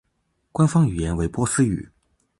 官方语言为波斯语。